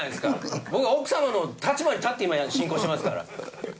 僕は奥様の立場に立って今進行していますから。